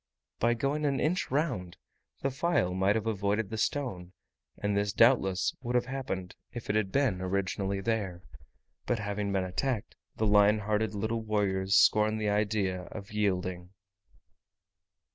By going an inch round, the file might have avoided the stone, and this doubtless would have happened, if it had been originally there: but having been attacked, the lion hearted little warriors scorned the idea of yielding.